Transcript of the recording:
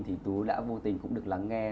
thì tú đã vô tình cũng được lắng nghe